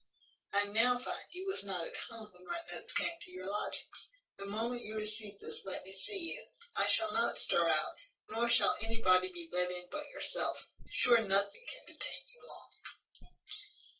"I now find you was not at home when my notes came to your lodgings. The moment you receive this let me see you; I shall not stir out; nor shall anybody be let in but yourself. Sure nothing can detain you long."